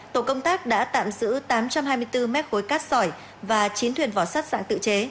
tổ công tác đã tạm giữ tám trăm hai mươi bốn mét khối cát sỏi và chín thuyền vỏ sắt dạng tự chế